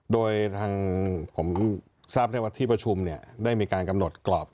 โดยทางผมทราบได้ว่าที่ประชุมเนี่ยได้มีการกำหนดกรอบ